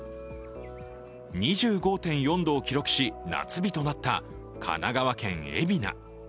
２５．４度を記録し夏日となった神奈川県海老名。